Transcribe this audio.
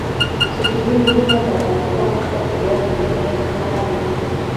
ستوني غرونه د افغانستان د چاپیریال د مدیریت لپاره مهم دي.